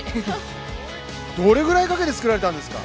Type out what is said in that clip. どれぐらいかけて作られたんですか？